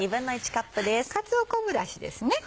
かつお昆布だしですね。